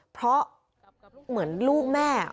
เพราะเหมือนลูกแม่